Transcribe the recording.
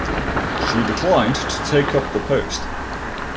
She declined to take up the post.